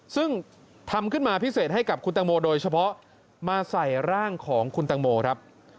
ซึ่งทำขึ้นมาพิเศษให้กับคุณตังโมโดยเฉพาะมาใส่ร่างของคุณตังโมครับ